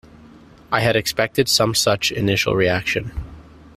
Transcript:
I had expected some such initial reaction.